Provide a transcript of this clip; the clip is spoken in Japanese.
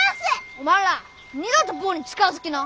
おまんら二度と坊に近づきな！